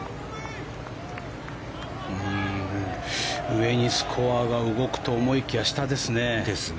上にスコアが動くと思いきや下ですね。